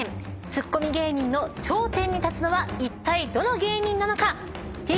ツッコミ芸人の頂点に立つのはいったいどの芸人なのか。